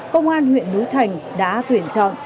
công an huyện đú thành đã tuyển chọn